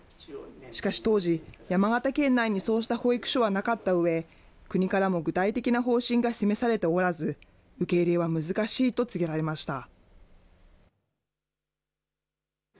しかし当時、山形県内にそうした保育所はなかったうえ、国からも具体的な方針が示されておらず、受け入れは難しいと告げられました。